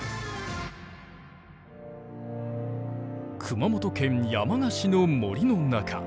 熊本県山鹿市の森の中。